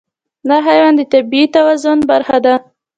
دا حیوان د طبیعي توازن برخه ده.